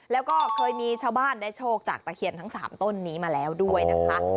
แล้วก็เคยมีชาวบ้านได้โชคจากตะเคียนทั้ง๓ต้นนี้มาแล้วด้วยนะคะ